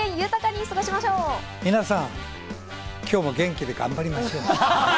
皆さん、今日も元気で頑張りましょう！